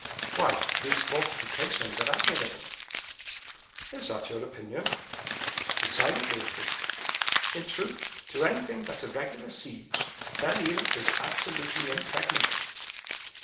"Why, these fortifications are admirable." "Is that your opinion?" "Decidedly it is. In truth, to anything but a regular siege, Belle Isle is absolutely impregnable."